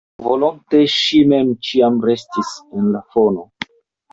Volonte ŝi mem ĉiam restis en al fono.